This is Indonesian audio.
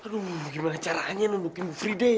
aduh gimana caranya nundukin bu friday